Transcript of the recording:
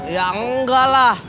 ya enggak lah